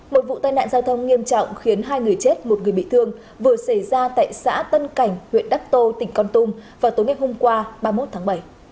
một vụ tai nạn giao thông nghiêm trọng khiến hai người chết một người bị thương vừa xảy ra tại xã tân cảnh huyện đắc tô tỉnh con tum vào tối ngày hôm qua ba mươi một tháng bảy